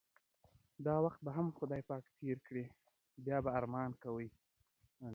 دا وخت به هم خدای تیر کړی بیا به ارمان کوی